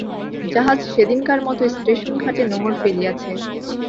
জাহাজ সেদিনকার মতো স্টেশন-ঘাটে নোঙর ফেলিয়াছে।